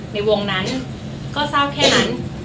ในวงนั้นก็ทราบแค่นั้น